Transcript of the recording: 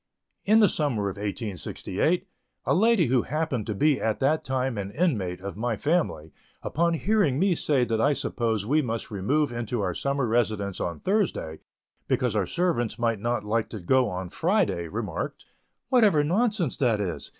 In the summer of 1868, a lady who happened to be at that time an inmate of my family, upon hearing me say that I supposed we must remove into our summer residence on Thursday, because our servants might not like to go on Friday, remarked: "What nonsense that is!